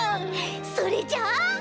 それじゃあ。